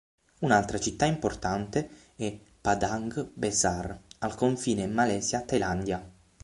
Un'altra città importante è Padang Besar, al confine Malesia-Thailandia.